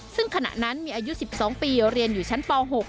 ซึ่งขณะนั้นมีอายุ๑๒ปีเรียนอยู่ชั้นป๖